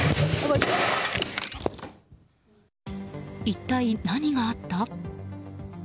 一体、何があった？